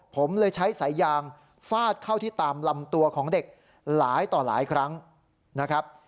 ผมเลยใช้สายยางฟาดเข้าที่ตามลำตัวของเด็กหลายต่อหลายครั้งนะครับ